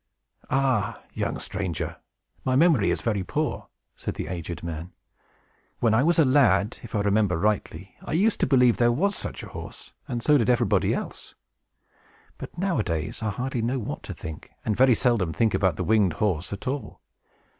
"Ah, young stranger, my memory is very poor!" said the aged man. "When I was a lad, if I remember rightly, I used to believe there was such a horse, and so did everybody else. But, nowadays, I hardly know what to think, and very seldom think about the winged horse at all.